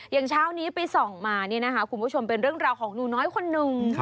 อย่างเช้านี้ปี๒มาคุณผู้ชมเป็นเรื่องราวของหนูน้อยคนหนึ่ง